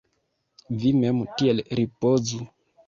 Vi mem tiel ripozu!